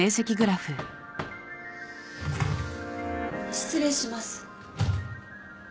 ・・失礼します。